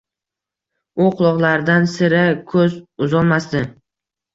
U quloqlaridan sira ko‘z uzolmasdi.